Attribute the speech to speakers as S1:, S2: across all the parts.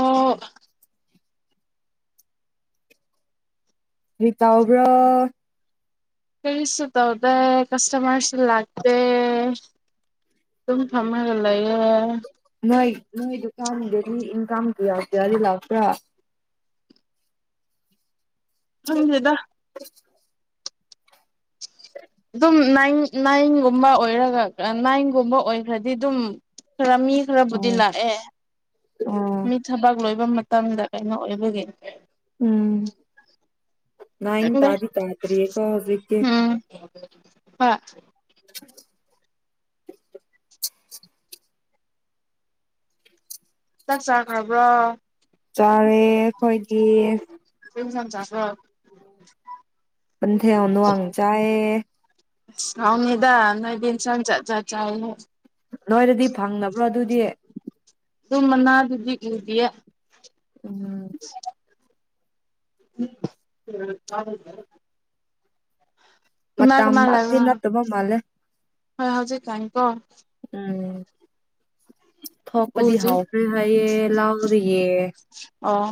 S1: ꯑꯣ
S2: ꯔꯔꯤꯇꯥ ꯑꯣꯕ꯭ꯔꯥ
S1: ꯀꯩꯁꯨ ꯇꯧꯗꯦ ꯀꯁꯇꯃꯔꯁꯨ ꯂꯥꯛꯇꯦ ꯑꯗꯨꯝ ꯐꯝꯃꯒ ꯂꯩꯌꯦ
S2: ꯅꯣꯏ ꯅꯣꯏ ꯗꯨꯀꯥꯟꯒꯤꯗꯗꯤ ꯏꯟꯀꯝ ꯀꯌꯥꯗꯌꯥꯗꯤ ꯂꯥꯛꯄ꯭ꯔꯥ
S1: ꯃꯪꯖꯗ ꯑꯗꯨꯝ ꯏ ꯅꯥꯏꯟꯒꯨꯝꯕ ꯑꯣꯏꯔꯒ ꯅꯥꯏꯟꯒꯨꯝꯕ ꯑꯣꯏꯈ꯭ꯔꯗꯤ ꯑꯗꯨꯝ ꯈꯔ ꯃꯤ ꯈꯔꯕꯨꯗꯤ
S2: ꯑꯣ
S1: ꯂꯥꯛ ꯑꯦ
S2: ꯑꯣ
S1: ꯃꯤ ꯊꯕ ꯂꯣꯏꯕ ꯃꯇꯝꯗ ꯀꯩꯅꯣ ꯑꯣꯏꯕꯒꯤ
S2: ꯎꯝ ꯅ ꯏ
S1: ꯈꯪꯗꯦ
S2: ꯇꯥꯗꯤ ꯇꯥꯇꯔꯤ ꯀꯣ ꯍꯧꯖꯤꯛꯦ
S1: ꯑ
S2: [inaudible]
S1: ꯆꯥꯛ ꯆꯥꯈ꯭ꯔꯕ꯭ꯔꯣ
S2: ꯆꯥꯔꯦ ꯑꯩꯈꯣꯏꯒꯤ
S1: ꯆ
S2: ꯄ ꯊꯦ ꯋꯥꯡ ꯆꯥꯌꯦ
S1: ꯁꯥꯎꯅꯤꯗꯥ ꯅꯣꯏꯗꯟ ꯁ ꯆ ꯆꯠ ꯆ ꯍꯥꯏꯅꯤ
S2: ꯅꯣꯏꯔꯗꯤ ꯐꯪꯅꯕ꯭ꯔꯣ ꯑꯗꯨ ꯦ
S1: ꯑꯗꯨꯃꯅꯥ ꯑꯗꯨꯗꯤ ꯏꯌꯥ
S2: ꯎꯝ
S1: ꯎꯝ ꯀꯃ ꯀꯃ ꯂ
S2: ꯃꯇꯝꯃꯛꯇꯤ ꯅꯠꯇꯕ ꯃꯥꯜꯂꯦ
S1: ꯍꯣꯏ ꯍꯧꯖꯤꯛ ꯀꯥꯏ ꯀꯣ
S2: ꯎꯝ ꯊꯣꯛꯄꯗꯤ ꯍꯥꯎꯈ꯭ꯔꯦ ꯍꯥꯏꯌꯦꯦ ꯂꯥꯎꯗ꯭ꯔꯤꯌꯦ
S1: ꯑꯣ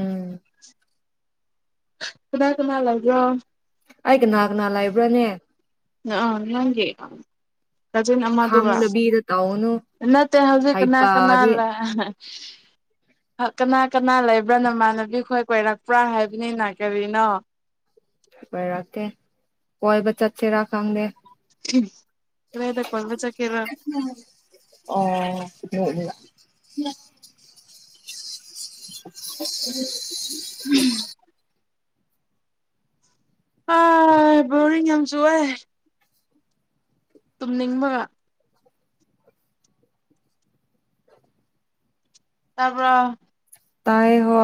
S2: ꯎꯝ
S1: ꯀꯃꯥꯏ ꯀꯃ ꯂꯒꯦ
S2: ꯑꯩꯒ ꯀꯅꯥ ꯀꯅꯥ ꯂꯩꯕ꯭ꯔꯥꯅꯦ
S1: ꯑ ꯅꯪꯒꯤ ꯀꯖꯤꯟ ꯑꯃꯗꯨꯒ
S2: ꯈꯪꯗꯕꯤꯗ ꯇꯧꯒꯅꯨ
S1: ꯅꯠꯇꯦ ꯍꯧꯖꯤꯛ ꯀꯅꯥ ꯀꯅꯥ
S2: ꯍꯩꯄꯥꯗꯤ
S1: ꯂꯥ ꯑꯍ ꯀꯅꯥ ꯀꯅꯥ ꯂꯩꯕ꯭ꯔꯥ ꯅꯃꯥꯟꯅꯕꯤ ꯈꯣꯏ ꯀꯣꯏꯔꯛꯄ꯭ꯔꯥ ꯍꯥꯏꯕꯅꯤꯅ ꯀꯔꯤꯅꯣ
S2: ꯂꯩꯔꯛꯇꯦ ꯀꯣꯏꯕ ꯆꯠꯁꯤꯔ ꯈꯪꯗꯦ
S1: ꯀꯗꯥꯏꯗ ꯀꯣꯏꯕ ꯆꯠꯀꯦꯔ
S2: ꯑꯣ ꯂꯣꯠꯂꯤꯕ ꯅꯥ ꯎꯨꯝ
S1: ꯍ ꯕꯣꯔꯤꯡ ꯌꯥꯝ ꯆꯨꯏꯑꯦ ꯇꯨꯝꯅꯤꯡꯕꯒ ꯇꯥꯕ꯭ꯔ
S2: ꯇꯥꯏ ꯍꯣ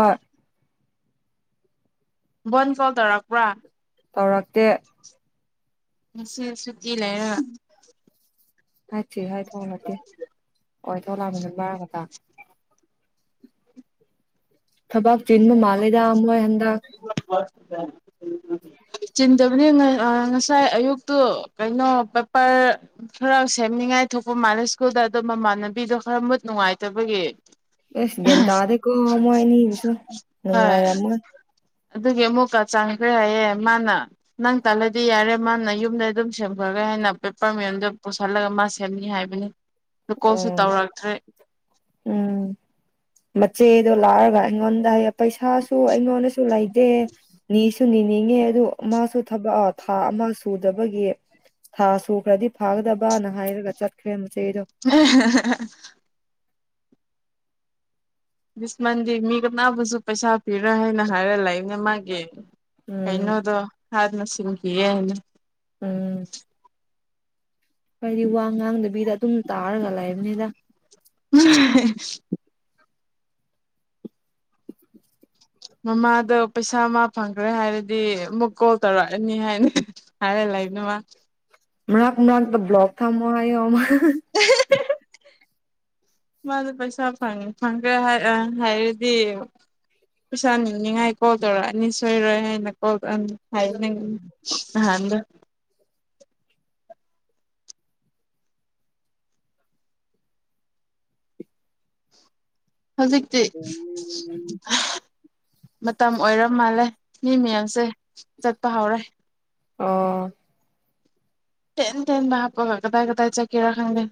S1: ꯋꯥꯟ ꯀꯣꯜ ꯊꯧꯔꯛꯄ꯭ꯔꯥ
S2: ꯇꯧꯔꯛꯇꯦ
S1: ꯅꯆꯦꯁꯤ ꯀꯤ ꯂꯩꯔꯥ
S2: ꯍꯥꯏꯇꯦ ꯍꯥꯏ ꯊꯧ ꯅꯠꯇꯦ ꯍꯣꯏ ꯊꯣꯛꯂꯥꯛꯃꯤꯅ ꯃꯔꯥꯡꯒꯗ ꯊꯕꯥꯥꯛ ꯆꯖꯤꯟꯕ ꯃꯥꯜꯂꯤꯗ ꯃꯣꯏ ꯍꯟꯗꯛ
S1: ꯑ ꯎ [inaudible] ꯆꯤꯟꯗꯕꯅꯤ ꯑ ꯉꯥ ꯉꯁꯥꯏ ꯑꯌꯨꯛꯇꯨ ꯀꯩꯅꯣ ꯄꯦꯄꯔ ꯈꯔ ꯁꯦꯝꯅꯤꯡꯉꯥꯏ ꯊꯣꯛꯄ ꯃꯥꯜꯂꯦ ꯁ꯭ꯀꯨꯜꯗ ꯑꯗꯣ ꯃꯃꯥꯟꯅꯕꯤꯗꯣ ꯈꯔ ꯃꯨꯠ ꯅꯨꯡꯉꯥꯏꯇꯕꯒꯤ
S2: ꯑꯁ ꯒꯌꯥꯟ ꯇꯥꯗꯦꯀꯣ ꯃꯣꯏ ꯑꯅꯤꯕꯨꯁꯨ
S1: ꯍꯣꯏ
S2: ꯅꯨꯡꯉꯥꯏꯔꯝꯃꯣꯏ
S1: ꯑꯗꯨꯒꯤ ꯑꯃꯨꯛꯀ ꯆꯪꯈ꯭ꯔꯦ ꯍꯥꯏꯌꯦ ꯃꯥꯅ ꯅꯪ ꯇꯥꯜꯂꯗꯤ ꯌꯥꯔꯦ ꯃꯥꯅ ꯌꯨꯝꯗ ꯑꯗꯨꯝ ꯁꯦꯝꯈ꯭ꯔꯒꯦ ꯍꯥꯏꯅ ꯄꯦꯄꯔ ꯃꯌꯥꯝꯗ ꯄꯨꯁꯤꯜꯂꯒ ꯃꯥ ꯁꯦꯝꯅꯤ ꯍꯥꯏꯕꯅꯤ ꯑꯗꯨ ꯀꯣꯜꯁꯨ
S2: ꯑꯨꯝ
S1: ꯇꯧꯔꯛꯇ꯭ꯔꯦ
S2: ꯎꯨꯝ ꯃꯆꯦ ꯗꯨ ꯂꯥꯛꯑꯒ ꯑꯩꯉꯣꯟꯗ ꯍꯥꯏ ꯄꯩꯁꯥꯁꯨ ꯑꯩꯉꯣꯟꯗꯁꯨ ꯂꯩ ꯇꯦ ꯅꯤꯁ ꯁꯨ ꯅꯤꯅꯤꯡꯉꯤ ꯑꯗꯨ ꯃꯥꯁꯨ ꯊꯕꯛ ꯑꯣ ꯊꯥ ꯑꯃ ꯁꯨꯗꯕꯒꯤ ꯊꯥ ꯁꯨꯈ꯭ꯔꯗꯤ ꯐꯥꯒꯗꯕꯅ ꯍꯥꯏꯔꯒ ꯆꯠꯈ꯭ꯔꯦ ꯃꯆꯩꯗꯣ
S1: ꯑ ꯍ ꯍ ꯍ ꯗꯤꯁ ꯃꯟꯗꯦ ꯃꯤꯒ ꯃꯥꯅꯥꯕꯨꯁꯨ ꯄꯩꯁꯥ ꯄꯤꯔꯣꯏ ꯍꯥꯏꯅ ꯍꯥꯏꯔ ꯂꯩꯕꯅꯦ ꯃꯥꯒꯤ
S2: ꯎꯝ
S1: ꯀꯩꯅꯣꯗꯣ ꯍꯥꯟꯅ ꯁ ꯅꯨꯡ ꯀꯤꯌꯦ ꯍꯥꯏꯅ
S2: ꯈꯣꯏꯗꯤ ꯋꯥ ꯉꯥꯡꯗꯕꯤꯗ ꯑꯗꯨꯝ ꯇꯥꯔꯒ ꯂꯩꯕꯅꯤꯗ
S1: ꯍꯨꯝ ꯍꯦ ꯃꯃꯥꯗ ꯄꯩꯁꯥ ꯑꯃ ꯐꯪꯈ꯭ꯔꯦ ꯍꯥꯏꯔꯗꯤ ꯑꯃꯨꯛ ꯀꯣꯜ ꯇꯧꯔꯛꯑꯅꯤ ꯍꯥꯏꯅ ꯍꯥꯏꯔ ꯂꯩꯕꯅꯦ ꯃꯥ
S2: ꯃꯔꯛ ꯃꯔꯛꯇ ꯕ꯭ꯂꯣꯛ ꯊꯝꯃꯣ ꯍꯥꯏ ꯑꯃ ꯎ
S1: ꯃꯥꯁ ꯄꯩꯁꯥ ꯐꯪꯈ꯭ꯔꯦ ꯍꯥꯏꯔꯗꯤ ꯄꯩꯁꯥ ꯅꯤꯡꯅꯤꯡꯉꯥꯏ ꯀꯣꯜ ꯇꯧꯔꯛꯑꯅꯤ ꯁꯣꯏꯔꯣꯏ ꯍꯥꯏꯅ ꯀꯣꯜ ꯇꯧꯑꯅꯤ ꯍꯥꯏ ꯅꯪ ꯍ ꯍꯧꯖꯤꯛꯇꯛꯇ ꯃꯇꯝ ꯑꯣꯏꯔ ꯃꯥꯜꯂꯦ ꯃꯤ ꯃꯌꯥꯝꯁꯦ ꯆꯠꯄ ꯍꯧꯥꯎꯔꯦ
S2: ꯑꯣ
S1: ꯇꯦꯟ ꯇꯦꯟ ꯄ ꯀꯗꯥꯏ ꯀꯗꯥꯥꯏ ꯆ ꯀꯔ ꯈꯪꯗ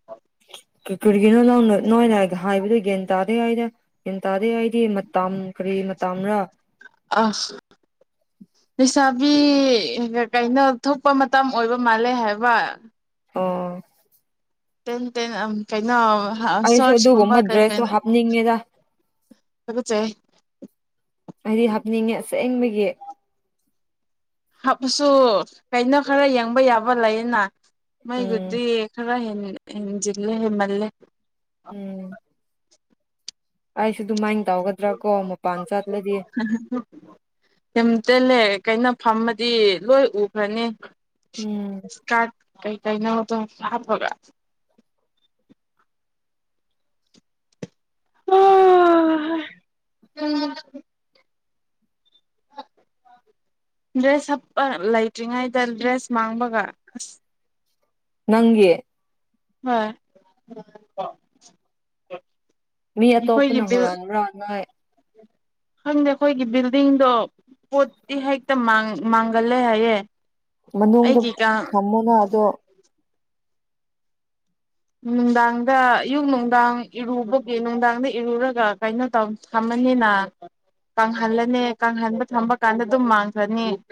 S2: ꯀ ꯈꯨꯔꯒꯤꯅꯣꯅ ꯅ ꯌꯥꯑꯒ ꯍꯥꯏꯕꯗꯨꯣ ꯒ꯭ꯌꯥꯟ ꯇꯥꯗꯦ ꯍꯥꯏꯗ ꯒ꯭ꯌꯥꯟ ꯇꯥꯗꯦ ꯍꯥꯏꯗꯤ ꯃꯇꯝ ꯀꯔꯤ ꯃꯇꯥꯝꯔꯥ
S1: ꯑ ꯂꯩꯁꯥꯕꯤ ꯀꯩꯅꯣ ꯊꯣꯛꯄ ꯃꯇꯝ ꯑꯣꯏꯕ ꯃꯥꯜꯂꯦ ꯍꯥꯏꯕ
S2: ꯑꯣꯥ
S1: ꯇꯦꯟ ꯇꯅ ꯀꯩꯅꯩꯅ ꯍ
S2: ꯑꯩꯁꯨ
S1: ꯁꯣꯠꯁ ꯀꯨꯝꯕ
S2: ꯑꯗꯨꯒꯨꯝꯕ
S1: ꯀꯥꯏ ꯀꯥꯏꯦ
S2: ꯗ꯭ꯔꯦꯁꯇꯣ ꯍꯥꯞꯅꯤꯡꯉꯦꯗ ꯍꯥꯏꯗꯤ ꯍꯥꯞꯅꯤꯡꯉꯦꯁꯛꯅꯤꯡꯕꯒꯤ
S1: ꯍꯥꯞꯁꯨ ꯀꯩꯅꯣ ꯈꯔ ꯌꯦꯡꯕ ꯌꯥꯕ ꯂꯩꯌꯦꯅ
S2: ꯎꯝ
S1: ꯃꯩꯒꯗꯦ ꯈꯔ ꯍꯦꯅꯤ ꯖꯜꯂꯦ ꯍꯃꯜꯦ
S2: ꯍꯥꯏꯥꯏꯁꯨ ꯑꯗꯨꯥꯏ ꯧꯒꯗ꯭ꯔꯥ ꯀꯣ ꯃ ꯄꯥꯟ ꯆꯠꯂꯗꯤ
S1: ꯀꯩꯅ ꯐꯝꯃꯗꯤ ꯂꯣꯏ ꯎꯈ꯭ꯔꯅꯤ
S2: ꯎꯝ
S1: ꯁꯇꯥꯥ ꯀꯩ ꯀꯩ ꯅ ꯇ ꯍꯥꯞ ꯐꯕ ꯑꯣ ꯗ꯭ꯔꯦꯁ ꯍꯥꯞꯄ ꯂꯩꯇ꯭ꯔꯤꯉꯩꯗ ꯗ꯭ꯔꯦꯁ ꯃꯥꯡꯕꯒ ꯑꯁ
S2: ꯅꯪꯒꯤ
S1: ꯍꯣꯏ
S2: ꯃꯤ ꯑ ꯇꯣ
S1: ꯑꯩꯈꯣꯏꯒꯤ
S2: ꯑꯣꯞꯅꯍ
S1: ꯕꯤꯜ
S2: ꯔꯅꯅ
S1: ꯈꯪꯗꯦ ꯑꯩꯈꯣꯏꯒꯤ ꯕꯤꯜꯗꯤꯡꯗꯣ ꯄꯣꯠꯇꯤ ꯍꯦꯛꯇ ꯃꯥꯡꯒꯜꯂꯦ ꯍꯥꯏꯌꯦꯦ
S2: ꯃꯅꯨꯡꯗ ꯊꯝꯃꯣꯅ ꯑꯗꯣ
S1: ꯅꯨꯡꯗꯥꯡꯗ ꯑꯌꯨꯛ ꯅꯨꯡꯗꯥꯡ ꯏꯔꯨꯕꯒꯤ ꯅꯨꯡꯗꯥꯡꯗ ꯏꯔꯨꯔꯒ ꯀꯩꯅꯣ ꯇꯧ ꯊꯝꯃꯅꯤꯅ ꯀꯪꯍꯜꯂꯅꯤ ꯀꯪꯍꯟꯕ ꯊꯝꯕ ꯀꯥꯟꯗ ꯑꯗꯨꯝ ꯃꯥꯡꯈ꯭ꯔꯅꯤ [inaudible]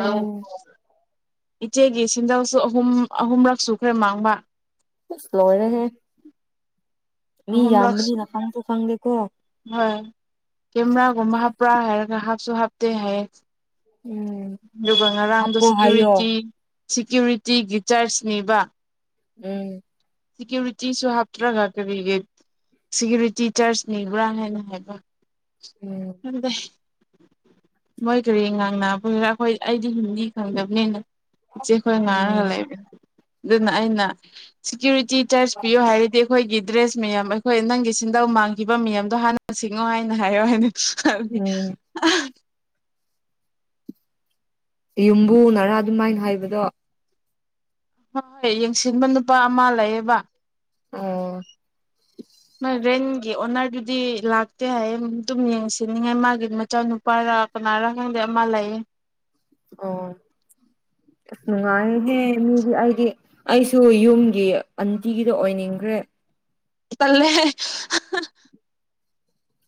S2: ꯎꯝ
S1: ꯏꯆꯦꯒꯤ ꯁꯤꯟꯗꯧꯁꯨ ꯑꯍꯨꯝ ꯑꯍꯨꯝꯔꯛ ꯁꯨꯈ꯭ꯔꯦ ꯃꯥꯡꯕ
S2: ꯂꯣꯏꯔꯦꯍꯦ ꯃꯤ
S1: ꯑꯍꯨꯝꯔꯛ
S2: ꯌꯥꯝꯕꯅꯤꯅ ꯈꯪꯗꯣ ꯈꯪꯗꯦꯀꯣ
S1: ꯍꯣꯏ ꯀꯦꯃꯦꯔꯥꯒꯨꯝꯕ ꯍꯥꯞꯄ꯭ꯔꯥ ꯍꯥꯏꯔꯒ ꯍꯥꯞꯁꯨ ꯍꯥꯞꯇꯦ ꯍꯥꯏꯌꯦ
S2: ꯎꯝ
S1: ꯑꯗꯨꯒ ꯉꯔꯥꯡꯗ
S2: ꯍꯥꯞꯄꯣ ꯍꯥꯏꯌꯣ
S1: ꯁꯦꯀ꯭ꯌꯨꯔꯤꯇꯤ ꯁꯤꯦꯀ꯭ꯌꯨꯔꯤꯇꯤꯒꯤ ꯆꯥꯔꯖꯅꯤꯕ
S2: ꯎꯝ
S1: ꯁꯤꯦꯀ꯭ꯌꯨꯔꯤꯇꯤꯁꯨ ꯍꯥꯞꯇ꯭ꯔꯒ ꯀꯔꯤꯒꯤ ꯁꯤꯦꯀ꯭ꯌꯨꯔꯤꯇꯤ ꯆꯥꯔꯖꯅꯤꯕ꯭ꯔꯥ ꯍꯥꯏꯅ ꯍꯥꯏꯕ
S2: ꯎꯝ
S1: ꯎꯗ ꯃꯣꯏ ꯀꯔꯤ ꯉꯥꯡꯅꯥꯔꯥ ꯑꯩꯈꯣꯏ ꯑꯩꯗꯤ ꯍꯤꯟꯗꯤ ꯈꯪꯗꯕꯅꯤꯅ ꯆꯦꯈꯣꯏꯅꯔ ꯍ
S2: ꯎꯝ
S1: ꯂꯩꯕ ꯑꯗꯨꯅ ꯑꯩꯅ ꯁꯦꯀ꯭ꯌꯨꯔꯤꯇꯤ ꯆꯔꯖ ꯄꯤꯌꯨ ꯍꯥꯏꯔꯗꯤ ꯑꯩꯈꯣꯏꯒꯤ ꯗ꯭ꯔꯦꯁ ꯃꯌꯥꯝ ꯑꯩꯈꯣꯏ ꯅꯪꯒꯤ ꯁꯤꯟꯗꯧ ꯃꯥꯡꯈꯤꯕ ꯃꯌꯥꯝꯗꯣ ꯍꯥꯟꯅ ꯁꯤꯡꯉꯣ ꯍꯥꯏꯅ ꯍꯥꯏꯌꯣ ꯍꯥꯏꯗꯤ ꯍꯥꯏꯗꯤ
S2: ꯎꯝ ꯌꯨꯝꯕꯨꯅꯔꯥ ꯑꯗꯨꯃꯥꯏꯅ ꯍꯥꯏꯕꯗꯣ
S1: ꯍꯣꯏ ꯍꯣꯏ ꯌꯦꯡꯁꯤꯟꯕ ꯅꯨꯄꯥ ꯑꯃ ꯂꯩꯌꯦꯕ
S2: ꯑ
S1: ꯔꯦꯟꯒꯤ ꯑꯣꯅꯔꯗꯨꯗꯤ ꯂꯥꯛꯇꯦ ꯍꯥꯏꯌꯦ ꯑꯗꯨꯝ ꯌꯦꯡꯁꯤꯟꯅꯤꯡꯉꯥꯏ ꯃꯥꯒꯤ ꯃꯆꯥꯅꯨꯄꯥꯔ ꯀꯅꯥꯔꯥ ꯈꯪꯗꯦ ꯑꯃ ꯂꯩ
S2: ꯑꯣ ꯑꯁ ꯅꯨꯡꯉꯥꯏꯍꯦ ꯃꯤꯗꯤ ꯑꯩꯗꯤ ꯑꯩꯁꯨ ꯌꯨꯝꯒꯤ ꯑꯟꯇꯤꯒꯤꯗꯣ ꯑꯣꯏꯅꯤꯡꯈ꯭ꯔꯦ
S1: ꯇꯜꯂꯦ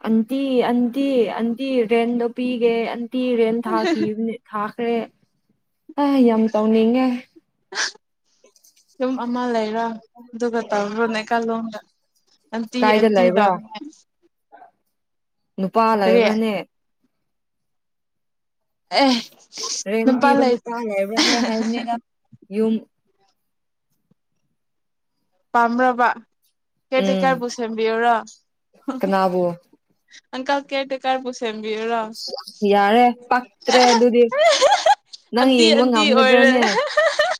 S2: ꯑꯇꯤ ꯑꯇꯤ ꯑꯇꯤ ꯔꯦꯟꯟꯣ ꯄꯤꯒꯦ ꯇꯤ ꯔꯦꯟ ꯊꯥ ꯊꯥ ꯐꯦ ꯑ ꯌꯥꯝ ꯇꯧꯅꯤꯡꯉꯦ
S1: ꯁꯨꯝ ꯑꯃ ꯂꯩ ꯑꯗꯨꯒꯗꯨꯒ ꯇꯔꯣꯅꯦ ꯀꯂꯣꯡꯒ ꯑꯟꯇꯤ
S2: ꯀꯥꯏꯗ
S1: ꯑꯟꯇꯤ
S2: ꯂꯩꯕ꯭ꯔꯥ ꯅꯨꯄꯥ
S1: ꯀꯔꯤ ꯑꯦ
S2: ꯂꯩꯕ꯭ꯔꯥꯅꯦ
S1: ꯑ
S2: ꯔꯦꯟ ꯄꯤꯕ ꯅꯨ ꯇꯥꯏꯦꯕꯦ ꯍꯥꯏꯔꯒ ꯌꯨꯝ
S1: ꯄꯝ꯭ꯔꯕ
S2: ꯎꯝ
S1: ꯀꯦꯇꯀꯥꯔ ꯄꯨꯕꯨꯁꯝꯕꯤꯌ ꯔ
S2: ꯀꯅꯥꯕꯨ
S1: ꯑꯪꯀꯜ ꯀꯦꯔꯇꯦ ꯀꯔꯕꯨꯁ ꯁꯦꯝꯕꯤꯔꯔꯥ
S2: ꯌꯥꯔꯦ ꯄꯛꯇ꯭ꯔꯦ ꯑꯗꯨꯗꯤ ꯅꯪ
S1: ꯑꯟꯇꯤ
S2: ꯌꯦꯡꯕ
S1: ꯑꯟꯇꯤ ꯑꯣꯏꯔꯦ
S2: ꯉꯝꯒꯗ꯭ꯔꯅꯦ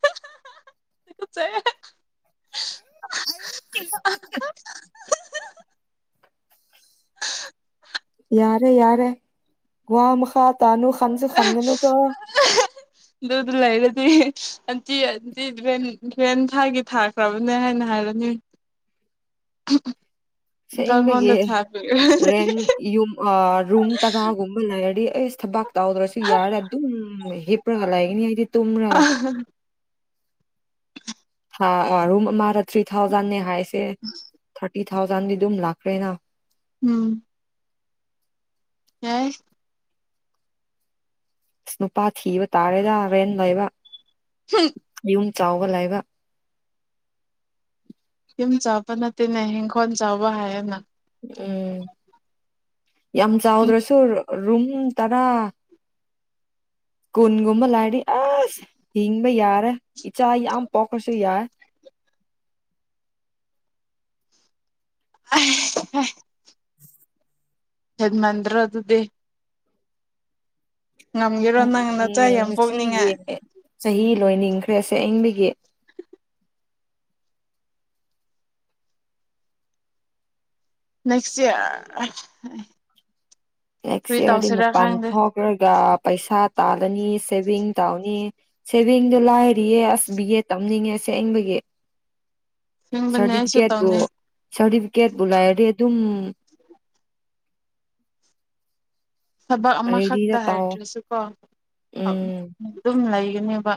S1: [unintelligible]
S2: [unintelligible] [inaudible]
S1: [inaudible]
S2: ꯌꯥꯔꯦ ꯌꯔꯦ ꯒꯋꯥꯃ ꯃꯈꯇ
S1: ꯗꯨꯗ ꯂꯥꯏꯂꯗꯤ ꯑꯟꯇꯤ ꯑꯟꯇꯤꯚꯦꯟ ꯨꯚꯦꯟ ꯊꯥꯒꯤ ꯊꯥꯈ꯭ꯔꯕꯅꯦ ꯍꯥꯏꯅ ꯍꯥꯏꯔꯅꯤ ꯀꯉꯣꯟꯗ
S2: ꯁꯛꯅꯤꯡꯕꯒꯤ
S1: ꯊꯥꯕꯤꯌꯨ
S2: ꯔꯦꯟ ꯌꯨꯝ ꯔꯨꯝ ꯇꯔꯥꯒꯨꯝꯕ ꯂꯩꯔꯗꯤ ꯏꯁ ꯊꯕꯛꯇ ꯇꯎꯗ꯭ꯔꯣꯁꯨ ꯌꯥꯔ ꯑꯗꯨꯝ ꯍꯦꯄ꯭ꯔꯒꯂꯒꯅꯤ ꯍꯥꯏꯗꯤ ꯇꯣꯝ꯭ꯔ ꯍꯥꯔ ꯃꯥꯔ ꯊ꯭ꯔꯤ ꯊꯥꯎꯖꯟꯅꯦ ꯍꯥꯏ ꯊꯔꯇꯤ ꯊꯥꯎꯖꯟꯗꯤ ꯑꯗꯨꯝ ꯂꯥꯛꯈ꯭ꯔꯦꯅ
S1: ꯎꯝ ꯑ
S2: ꯁꯅꯨꯄꯥ ꯊꯤꯕ ꯇꯥꯔꯦꯗꯔꯦꯟꯂꯕ ꯏꯟ ꯆꯥꯎꯕ ꯂꯥꯏꯕ
S1: ꯌꯨꯝ ꯆꯥꯕ ꯅꯠꯇꯦꯅꯦ ꯏꯤꯡꯈꯣꯜ ꯆꯥꯕ ꯍꯥꯏꯌꯦꯅ
S2: ꯎꯝ ꯌꯥꯝ ꯆꯥꯎꯗ꯭ꯔꯁꯨ ꯔꯨꯝ ꯇꯔꯥ ꯀꯨꯟꯒꯨꯝꯕ ꯂꯩꯔꯗꯤ ꯑꯁ ꯍꯤꯡꯕ ꯌꯥꯔꯦ ꯏꯆꯥ ꯌꯥꯝ ꯄꯣꯛꯈ꯭ꯔꯁꯨ ꯌꯥꯏ
S1: ꯑ ꯍꯗꯃꯟ꯭ꯔ ꯑꯗꯨꯗꯤ
S2: ꯑꯣ
S1: ꯉꯝꯒꯦꯔꯣ ꯅꯪ
S2: ꯎꯝ
S1: ꯅꯆꯥ ꯌꯥꯝ
S2: ꯉꯁꯤꯒꯤ
S1: ꯄꯣꯛꯅꯤꯡꯉꯥꯏ
S2: ꯆꯍꯤ ꯂꯣꯏꯅꯤꯡꯈ꯭ꯔꯦꯁꯦ ꯑꯌꯤꯡ ꯌꯦꯠ
S1: ꯅꯦꯛꯁ ꯏꯌꯥꯔ
S2: ꯑꯦꯁꯤꯔꯗꯤ ꯄꯥꯟꯊ ꯀꯔꯒ ꯄꯩꯁꯥ ꯇꯥꯜꯂꯅꯤ ꯁꯦꯚꯤꯡ ꯇꯧꯅꯤ ꯁꯦꯚꯤꯡꯗꯨ ꯂꯥꯏꯔꯤꯌꯦ ꯑꯁ ꯕꯤ ꯑꯦꯗ ꯇꯝꯅꯤꯡꯉꯦ ꯁꯦꯡꯕꯒꯤ
S1: ꯅꯤꯡꯕꯅꯦ ꯑꯩꯁꯨ
S2: ꯁꯥꯔꯇꯤꯐꯤꯀꯦꯠꯄ
S1: ꯇꯧꯅꯤ
S2: ꯁꯥꯔꯇꯤꯐꯤꯀꯦꯠꯕꯨꯨ ꯂꯥꯏꯔꯗꯤ ꯑꯗꯨꯝ [inaudible]
S1: ꯊꯕꯛ ꯑꯃꯈꯛꯇ
S2: ꯔꯦꯗꯤꯗ ꯇꯧꯑꯣ
S1: ꯍꯥꯏꯗ꯭ꯔꯁꯨꯀꯣ
S2: ꯎꯝ
S1: ꯑꯗꯨꯝ ꯂꯩ ꯀꯅꯦꯕ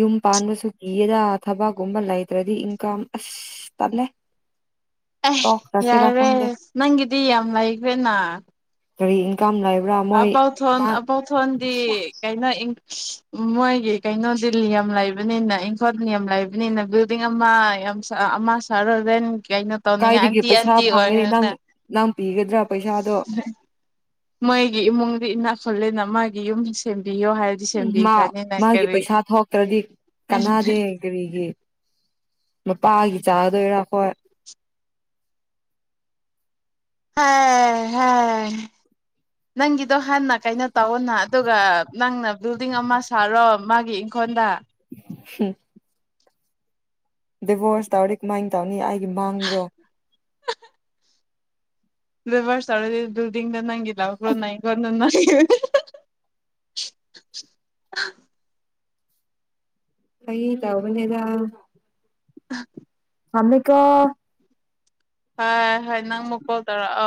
S2: ꯌꯨꯝ ꯄꯥꯟꯕꯁꯨ ꯀꯤꯌꯦꯗ ꯊꯕꯛꯀꯨꯝꯕ ꯂꯩꯇ꯭ꯔꯗꯤ ꯏꯟꯀꯝ ꯑꯁ ꯇꯠꯂ
S1: ꯑꯦ ꯌꯥꯔꯦ ꯅꯪꯒꯤꯗꯤ ꯌꯥꯝ ꯂꯩꯈ꯭ꯔꯦꯅ
S2: ꯀꯔꯤ ꯏꯟꯀꯝ ꯂꯩꯕ꯭ꯔꯥ ꯃꯣꯏ
S1: ꯑꯥꯎꯊꯣꯟ
S2: ꯃꯥ
S1: ꯑꯄꯥꯎꯊꯣꯟꯗꯤ ꯀꯩꯅ ꯃꯣꯏꯒꯤ ꯀꯩꯅꯣꯗꯤ ꯅꯤꯌꯝ ꯂꯩꯕꯅꯤꯅ ꯏꯪꯈꯣꯜ ꯅꯤꯌꯝ ꯂꯩꯕꯅꯤꯅ ꯕꯤꯜꯗꯤꯡ ꯑꯃ ꯌꯥꯝ ꯑꯃ ꯁꯥꯔ ꯔꯦꯟ ꯀꯩꯅꯣ ꯇꯧꯅꯤꯡꯉ
S2: ꯀꯥꯏꯗꯒꯤ
S1: ꯑꯟꯇꯤ
S2: ꯄꯩꯁꯥ
S1: ꯑꯟꯇꯤ
S2: ꯐꯪꯒꯅꯤ ꯅꯪ
S1: ꯑꯣꯏꯔꯦꯅ
S2: ꯅꯪ ꯄꯤꯒꯗ꯭ꯔꯥ ꯄꯩꯁꯥꯗꯣ
S1: ꯃꯣꯏꯒꯤ ꯏꯃꯨꯡꯒꯤ ꯏꯅꯥꯛ ꯈꯨꯜꯂꯅ ꯃꯥꯒꯤ ꯌꯨꯝꯗ ꯁꯦꯝ
S2: ꯎꯝ ꯃꯥ ꯃꯥꯒꯤ ꯄꯩꯁꯥ ꯊꯣꯛꯇ꯭ꯔꯗꯤ ꯀꯅꯗꯦ ꯀꯔꯤꯒꯤ ꯃꯄꯥꯒꯤ ꯆꯥꯗꯣꯏꯔꯥ ꯍꯣꯏ
S1: ꯍ ꯅꯪꯒꯤꯗꯣ ꯍꯟꯅ ꯀꯩꯅꯣ ꯇꯧꯋꯅ ꯑꯗꯨꯒ ꯅꯪꯅ ꯕꯤꯜꯗꯤꯡ ꯑꯃ ꯁꯥꯔꯣ ꯃꯥꯒꯤ ꯏꯪꯈꯣꯜꯗ
S2: [unintelligible] ꯗꯤꯚꯣꯣꯔꯁ ꯇꯧꯔ ꯀ ꯃꯥꯡ ꯇꯅꯤ ꯕꯥꯡ꯭ꯔꯣ
S1: ꯔꯁ ꯜꯗꯤꯡ ꯗ ꯅꯪꯤ ꯂꯣꯅ ꯀ [inaudible]
S2: ꯀꯩ ꯇꯥꯎꯕꯅꯦꯗ
S1: ꯑ
S2: ꯑꯝꯀꯥ
S1: ꯍ ꯍ ꯅꯪ ꯃꯨꯛ ꯀꯣꯜ ꯇꯧꯔ ꯑ